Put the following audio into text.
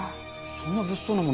そんな物騒なもの